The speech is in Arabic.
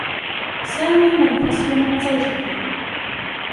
سامي منفصل عن زوجته.